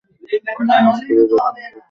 আমি স্কুলে বাস্কেটবল খেলি।